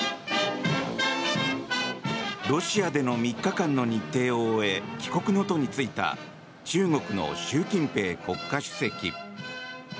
ロシアでの３日間の日程を終え帰国の途に就いた中国の習近平国家主席。